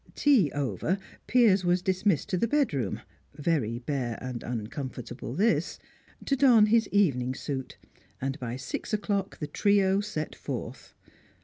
Tea over, Piers was dismissed to the bedroom (very bare and uncomfortable, this) to don his evening suit, and by six o'clock the trio set forth.